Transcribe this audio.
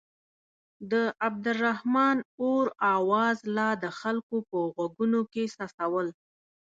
د عبدالرحمن اور اواز لا د خلکو په غوږونو کې څڅول.